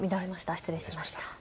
失礼しました。